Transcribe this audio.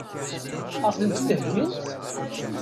Ad ɣ-tent-id-heggint?